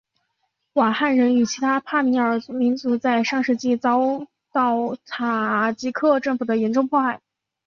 瓦罕人与其他帕米尔民族在上世纪遭到塔吉克政府的严重迫害。